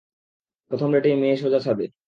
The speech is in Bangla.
প্রথম ডেটেই মেয়ে সোজা ছাদে!